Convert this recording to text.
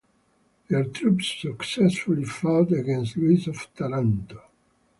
Their troops successfully fought against Louis of Taranto.